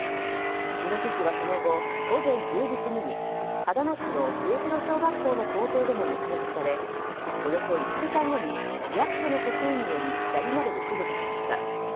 イノシシはその後午前１０時過ぎに秦野市の末広小学校の校庭でも目撃されおよそ１時間後に市役所の職員により槍などで駆除されました。